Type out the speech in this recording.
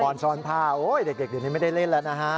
ก่อนซ้อนพาเด็กเดี๋ยวนี้ไม่ได้เล่นแล้วนะฮะ